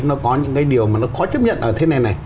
nó có những cái điều mà nó khó chấp nhận ở thế này này